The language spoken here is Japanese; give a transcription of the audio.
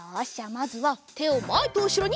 まずはてをまえとうしろに。